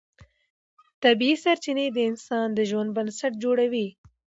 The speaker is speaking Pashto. طبیعي سرچینې د انسان د ژوند بنسټ جوړوي